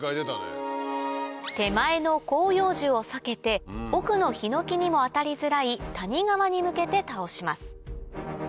手前の広葉樹を避けて奥のヒノキにも当たりづらい谷側に向けて倒します